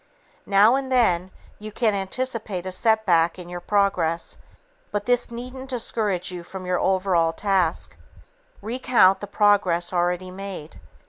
Now and then, you can anticipate a setback in your progress, but this needn't discourage you from your overall task. Recount the progress already made.